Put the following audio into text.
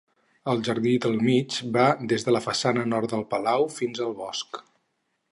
El jardí del mig va des de la façana nord del palau fins al bosc.